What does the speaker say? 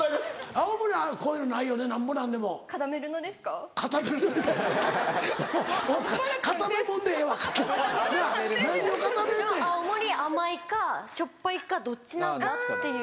青森甘いかしょっぱいかどっちなんだっていう。